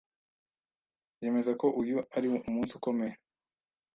yemeza ko uyu ari umunsi ukomeye